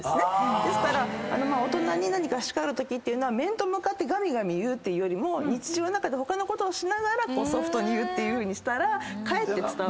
ですから大人に何か叱るときっていうのは面と向かってがみがみ言うっていうよりも日常の中で他のことをしながらソフトに言うっていうふうにしたらかえって伝わる。